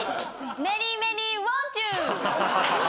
メニーメニーウォンチュー！